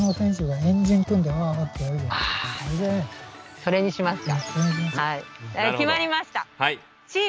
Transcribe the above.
それにしますか。